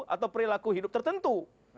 atau perilaku hidup tertentu